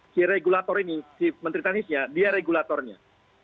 si regulator ini si menteri teknisnya dia regulatornya